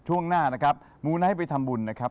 ช่วงหน้านะครับมูไนท์ไปทำบุญนะครับ